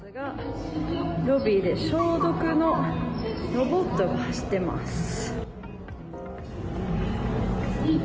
ロビーで消毒のロボットが走ってます。